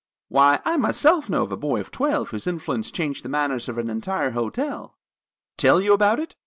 "Why, I myself know a boy of twelve whose influence changed the manners of an entire hotel. Tell you about it?